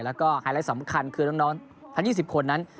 แล้วก็ไฮไลท์สำคัญคือน้องทั้ง๒๐คนนั้น